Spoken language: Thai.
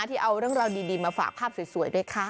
ที่เอาเรื่องราวดีมาฝากภาพสวยด้วยค่ะ